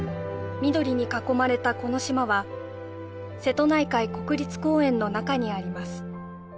緑に囲まれたこの島は瀬戸内海国立公園の中にあります